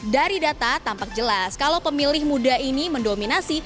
dari data tampak jelas kalau pemilih muda ini mendominasi